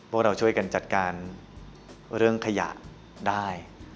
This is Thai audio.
พวกเราช่วยกันจัดการเรื่องขยะได้